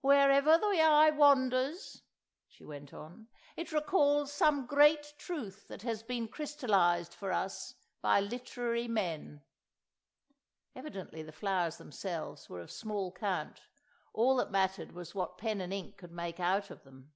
Wherever the eye wanders," she went on, "it recalls some great truth that has been crystallised for us by literary men" (evidently the flowers themselves were of small count; all that mattered was what pen and ink could make out of them).